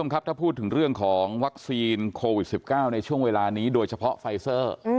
ครับถ้าพูดถึงเรื่องของวัคซีนโควิด๑๙ในช่วงเวลานี้โดยเฉพาะไฟเซอร์